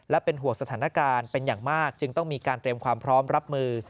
และเป็นห่วงสถานการณ์เป็นอย่างมากจึงต้องมีการเตรียมความพร้อมรับมือ